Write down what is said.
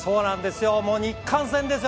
日韓戦ですよ、